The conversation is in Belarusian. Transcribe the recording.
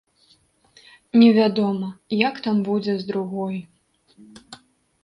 Невядома, як там будзе з другой.